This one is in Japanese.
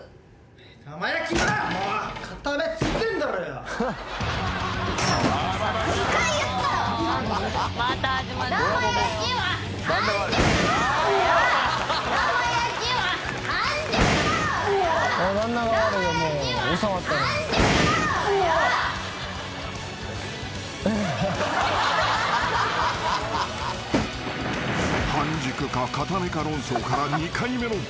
［半熟かかためか論争から２回目のぶん投げ］